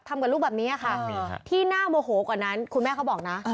ทำกับลูกแบบนี้ค่ะที่น่าโมโหกว่านั้นคุณแม่เขาบอกนะ